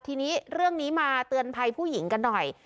ทีนี้เรื่องนี้มาเตือนภัยผู้หญิงกันหน่อย